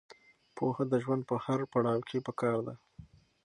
پوهه د ژوند په هر پړاو کې پکار ده.